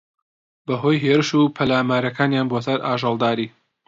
بەھۆی ھێرش و پەلامارەکانیان بۆسەر ئاژەڵداری